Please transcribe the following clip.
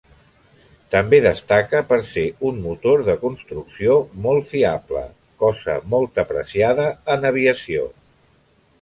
També destaca per ser un motor de construcció molt fiable, cosa molt apreciada en aviació.